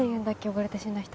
溺れて死んだ人。